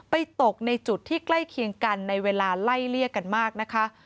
ตกในจุดที่ใกล้เคียงกันในเวลาไล่เลี่ยกันมากนะคะ